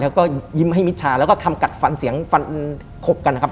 แล้วก็ยิ้มให้มิดชาแล้วก็คำกัดฟันเสียงฟันคบกันนะครับ